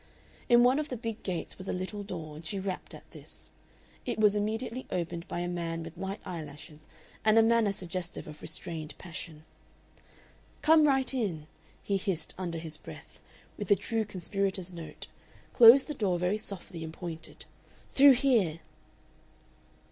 In one of the big gates was a little door, and she rapped at this. It was immediately opened by a man with light eyelashes and a manner suggestive of restrained passion. "Come right in," he hissed under his breath, with the true conspirator's note, closed the door very softly and pointed, "Through there!"